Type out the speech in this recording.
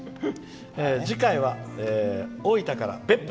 次回は大分から「別府！